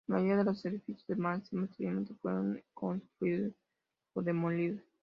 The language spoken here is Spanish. La mayoría de los edificios de Mansart posteriormente fueron reconstruidos o demolidos.